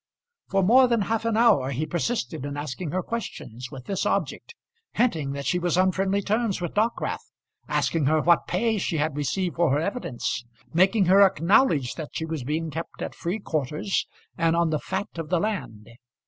For more than half an hour he persisted in asking her questions with this object; hinting that she was on friendly terms with Dockwrath; asking her what pay she had received for her evidence; making her acknowledge that she was being kept at free quarters, and on the fat of the land.